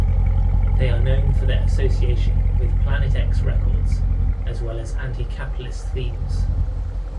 They are known for their association with Plan-It-X Records, as well as anti-capitalist themes.